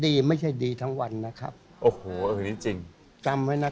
แต่เราใช้ไมค์ขี่เป็นเข็มกัดกัดต่ำตัวเลยได้มั้ย